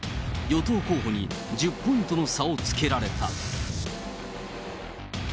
与党候補に１０ポイントの差をつけられた。